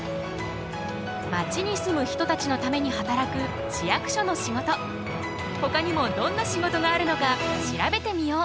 まちに住む人たちのために働く市役所の仕事ほかにもどんな仕事があるのか調べてみよう。